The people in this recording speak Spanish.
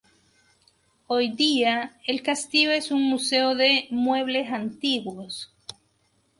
Hoy día el castillo es un Museo de muebles antiguos.